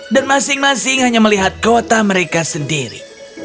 dan masing masing hanya melihat kota mereka sendiri